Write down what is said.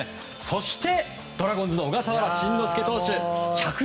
そしてドラゴンズの小笠原慎之介投手。